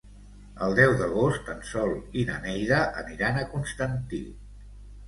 El deu d'agost en Sol i na Neida aniran a Constantí.